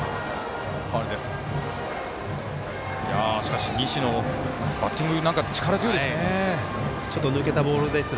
しかし西野バッティング、力強いですね。